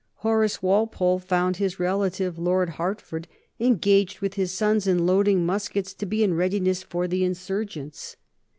Horace Walpole found his relative, Lord Hertford, engaged with his sons in loading muskets to be in readiness for the insurgents.